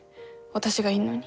私がいんのに。